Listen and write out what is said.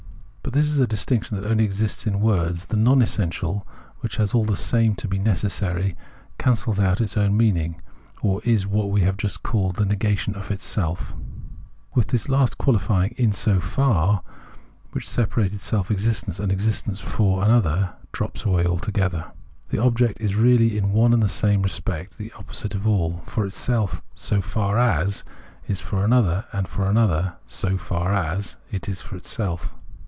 But this is a distinction that only exists in words ; the TCOM essential, which has all the same to be necessary, cancels its own meaning, or is what we have just called the negation of itself. With this the last qualifying " in so far," which separated self existence and existence for another, drops away altogether. The object is really in one and the same respect the opposite of itself — for itself " so far as " it is for another, and for another " so far as " it is for itself.